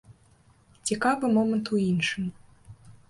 Цікавы момант у іншым.